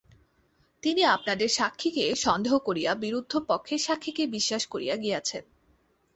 তিনি আপনাদের সাক্ষীকে সন্দেহ করিয়া বিরুদ্ধ পক্ষের সাক্ষীকেই বিশ্বাস করিয়া গিয়াছেন।